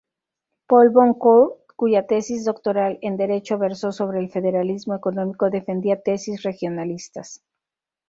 Paul-Boncour, cuya tesis doctoral en Derecho versó sobre el federalismo económico, defendía tesis regionalistas.